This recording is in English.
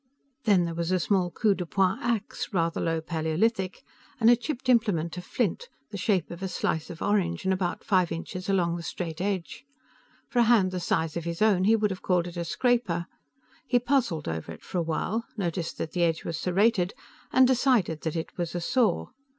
Then there was a small coup de poing ax, rather low paleolithic, and a chipped implement of flint the shape of a slice of orange and about five inches along the straight edge. For a hand the size of his own, he would have called it a scraper. He puzzled over it for a while, noticed that the edge was serrated, and decided that it was a saw.